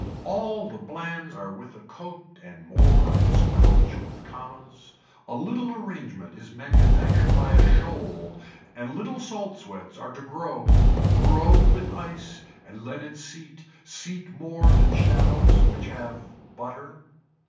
All the blands are with a coat and more is coach with commas. A little arrangement is manufactured by a shoal and little salt sweats are to grow grow with ice and let it seat seat more than shadows which have butter.